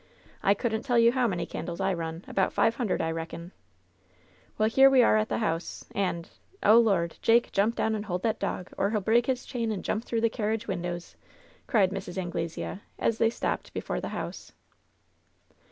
I couldn't tell you how many candles I run — about five hundred, I reckon ! Well, here we are at the house, and Oh, Lord ! Jake, jump down and hold that dog, or he'll break his chain and jump through the carriage windows!" cried Mrs. Anglesea, as they stopped before the house.